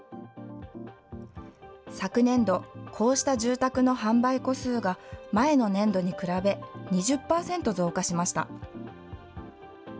昨年度、こうした住宅の販売戸数が前の年度に比べ２０％増加しました。